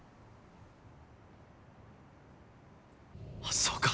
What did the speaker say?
あっそうか。